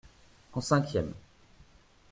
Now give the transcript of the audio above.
En cinquième.